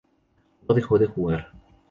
No dejó de jugar.